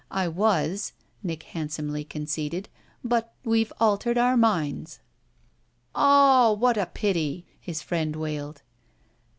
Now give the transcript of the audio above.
I was," Nick handsomely conceded, "but we've altered our minds." "Ah, what a pity!" his friend wailed.